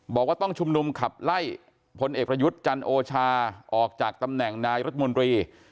บอกว่าต้องชุมนุมขับไล่พลเอกประยุทธ์จันโอชาออกจากตำแหน่งนายรัฐมนตรี